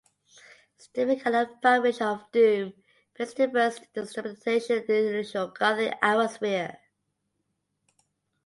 Steven Cannon of "Vibrations of Doom" praised the diverse instrumentation and unusual gothic atmosphere.